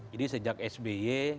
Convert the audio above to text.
jadi sejak sby